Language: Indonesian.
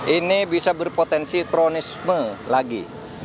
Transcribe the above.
ini bisa berpotensi kronisme lagi